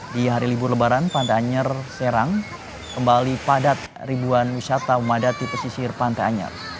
di hari libur lebaran pantai anyer serang kembali padat ribuan wisata memadati pesisir pantai anyar